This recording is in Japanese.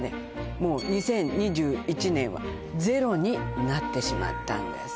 もう２０２１年はゼロになってしまったんです